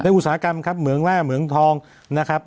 อุตสาหกรรมครับเหมืองแร่เหมืองทองนะครับ